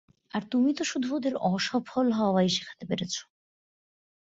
আর তুমি তো শুধু ওদের অসফল হওয়াই শেখাতে পেরেছো।